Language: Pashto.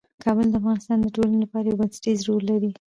کابل د افغانستان د ټولنې لپاره یو بنسټيز رول لري.